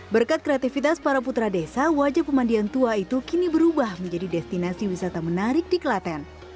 berkat kreativitas para putra desa wajah pemandian tua itu kini berubah menjadi destinasi wisata menarik di kelaten